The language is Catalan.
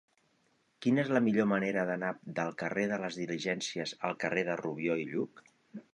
Quina és la millor manera d'anar del carrer de les Diligències al carrer de Rubió i Lluch?